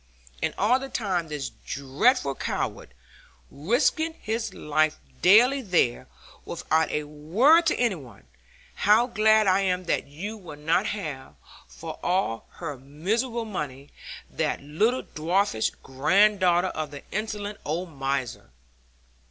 And all the time this dreadful "coward" risking his life daily there, without a word to any one! How glad I am that you will not have, for all her miserable money, that little dwarfish granddaughter of the insolent old miser!'